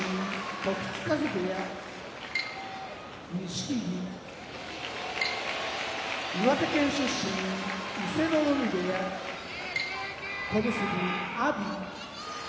時津風部屋錦木岩手県出身伊勢ノ海部屋小結・阿炎